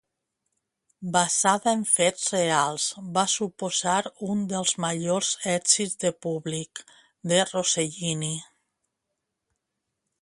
Basada en fets reals, va suposar un dels majors èxits de públic de Rossellini.